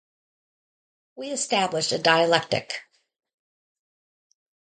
We established a dialectic.